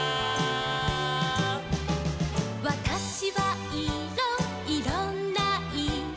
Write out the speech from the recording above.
「わたしはいろいろんないろ」